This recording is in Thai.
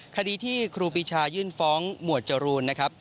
คดีที่ครูปีชายื่นฟ้องหมวดจรูนนะครับ